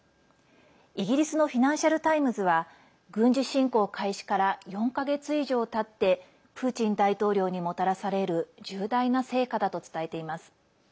イギリスのフィナンシャル・タイムズは軍事侵攻開始から４か月以上たってプーチン大統領にもたらされる重大な成果だと伝えています。